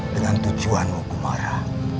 dengan tujuanmu kumara